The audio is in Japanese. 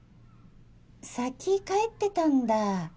先帰ってたんだ。